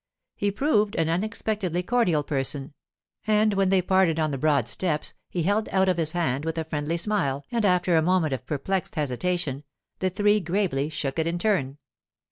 He proved an unexpectedly cordial person, and when they parted on the broad steps he held out of his hand with a friendly smile and after a moment of perplexed hesitation the three gravely shook it in turn.